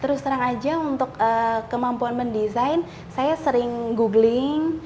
terus terang aja untuk kemampuan mendesain saya sering googling